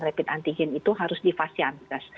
rapid antigen itu harus di fasiantes